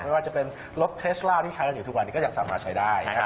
ไม่ว่าจะเป็นรถเทรสล่าที่ใช้กันอยู่ทุกวันนี้ก็ยังสามารถใช้ได้